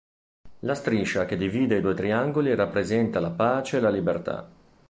La striscia che divide i due triangoli rappresenta la pace e la libertà.